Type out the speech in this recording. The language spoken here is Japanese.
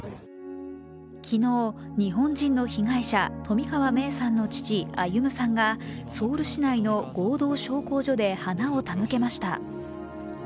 昨日、日本人の被害者・冨川芽生さんの父・歩さんがソウル市内の合同焼香所で花を手向けました。